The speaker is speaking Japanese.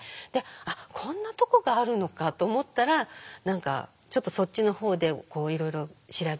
あっこんなとこがあるのかと思ったら何かちょっとそっちのほうでいろいろ調べていって。